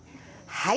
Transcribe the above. はい。